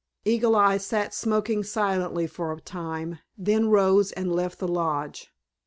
Eagle Eye sat smoking silently for a time, then rose and left the lodge.